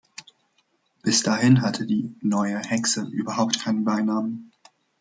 Bis dahin hatte die "Neue Hexe" überhaupt keinen Beinamen.